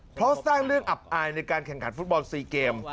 เพราะสร้างเรื่องอับอายในการแข่งขันฟุตบอล๔เกม